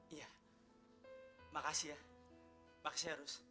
iya makasih ya makasih harus